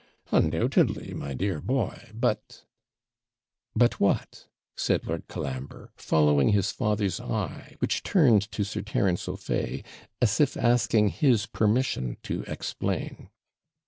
'Undoubtedly, my dear boy; but ' 'But what?' said Lord Colambre, following his father's eye, which turned to Sir Terence O'Fay, as if asking his permission to explain.